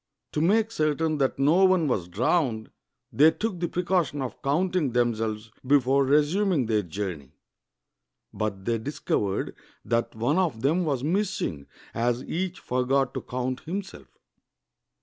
To make certain that no one was drowned, they took the precaution of counting themselves before resuming their journey; but they discovered that one of them was miss ing, as each forgot to count himself.